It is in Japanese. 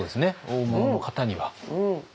大物の方には。